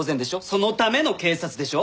そのための警察でしょ。